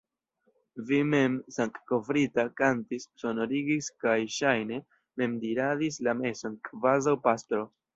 Vi mem, sangkovrita, kantis, sonorigis kaj, ŝajne, mem diradis la meson, kvazaŭ pastro.